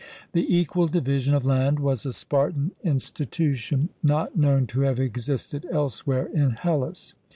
The equal division of land was a Spartan institution, not known to have existed elsewhere in Hellas.